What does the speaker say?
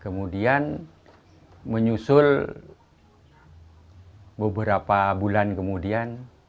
kemudian menyusul beberapa bulan kemudian